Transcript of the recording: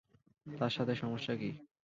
তার সাথে সমস্যা কি?